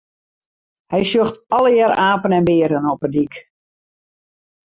Hy sjocht allegear apen en bearen op 'e dyk.